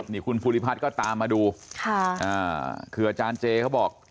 นี่คุณฟุริภัทรก็ตามมาดูค่ะอ่าคืออาจารย์เจนเขาบอก